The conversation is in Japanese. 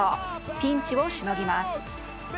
ピンチをしのぎます。